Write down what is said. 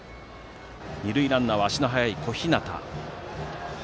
二塁ランナーは足の速い小日向。